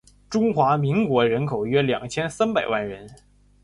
中华民国人口约二千三百万人